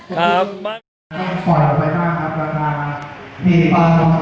ครับ